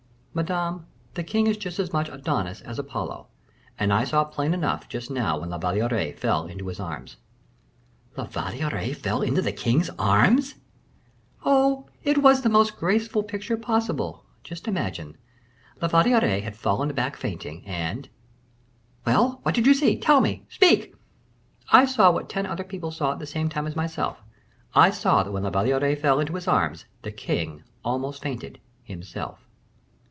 "Madame, the king is just as much Adonis as Apollo; and I saw plain enough just now when La Valliere fell into his arms." "La Valliere fell into the king's arms!" "Oh! it was the most graceful picture possible; just imagine, La Valliere had fallen back fainting, and " "Well! what did you see? tell me speak!" "I saw what ten other people saw at the same time as myself; I saw that when La Valliere fell into his arms, the king almost fainted himself."